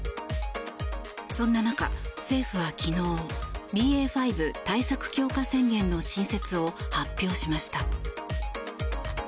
そんな中、政府は昨日ＢＡ．５対策強化宣言の新設を発表しました。